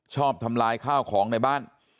ทำลายข้าวของในบ้าน